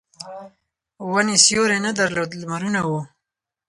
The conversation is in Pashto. ونې سیوری نه درلود لمرونه وو.